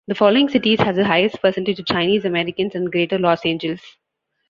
The following cities have the highest percentage of Chinese-Americans in Greater Los Angeles.